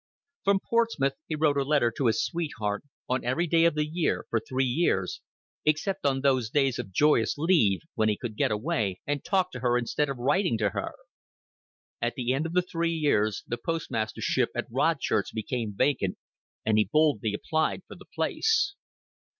From Portsmouth he wrote a letter to his sweetheart on every day of the year for three years except on those days of joyous leave when he could get away and talk to her instead of writing to her. At the end of the three years the postmastership at Rodchurch became vacant, and he boldly applied for the place.